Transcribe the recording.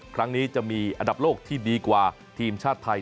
ครั้งนี้จะมีอันดับโลกที่ดีกว่าทีมชาติไทย